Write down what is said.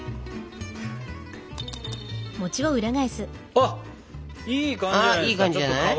あっいい感じじゃないですか？